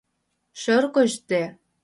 Шӧр кочде